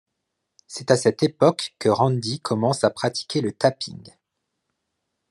C'est à cette époque que Randy commence à pratiquer le tapping.